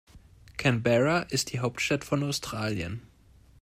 Canberra ist die Hauptstadt von Australien.